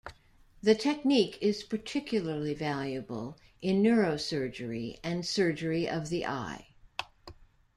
The technique is particularly valuable in neurosurgery and surgery of the eye.